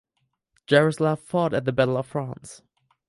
Jaroslav fought at the Battle of France.